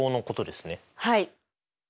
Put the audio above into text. はい。